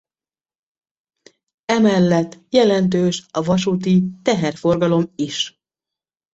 Emellett jelentős a vasúti teherforgalom is.